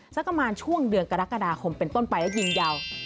สักประมาณช่วงเดือนกรกฎาคมเป็นต้นไปแล้วยิงยาว